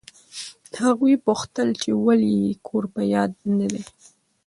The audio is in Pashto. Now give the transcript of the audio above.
هغوی پوښتل چې ولې یې کور په یاد نه دی.